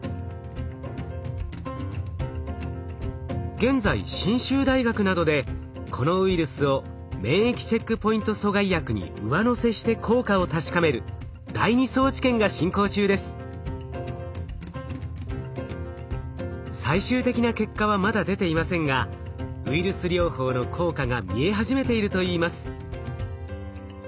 現在信州大学などでこのウイルスを免疫チェックポイント阻害薬に上乗せして効果を確かめる最終的な結果はまだ出ていませんがウイルス療法の効果が見え始めているといいます。